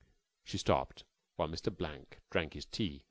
] She stopped while Mr. Blank drank his tea.